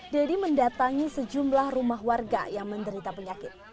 dedy mendatangi sejumlah rumah warga yang menderita penyakit